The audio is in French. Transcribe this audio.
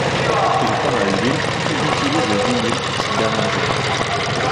Il peint à l'huile puis utilise le vinyle pour ses dernières œuvres.